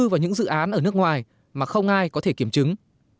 vào những dự án ở nước ngoài mà không ai có thể kiểm chứng